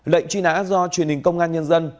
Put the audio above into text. lệnh truy nã do truyền hình công an nhân dân